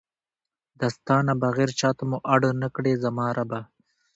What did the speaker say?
دا ستا نه بغیر چاته مو اړ نکړې زما ربه!